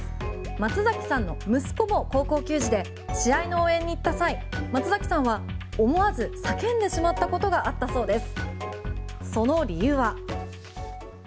松崎さんの息子も高校球児で試合の応援に行った際松崎さんは思わず叫んでしまったことがあったそうです。